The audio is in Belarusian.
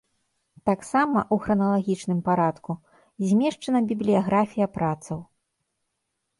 Таксама, у храналагічным парадку, змешчана бібліяграфія працаў.